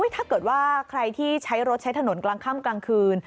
ถ้าเกิดว่าใครที่ใช้รถใช้ถนนกลางค่ำกลางคืน